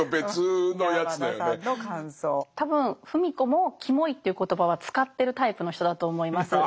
多分芙美子もキモいという言葉は使ってるタイプの人だと思います。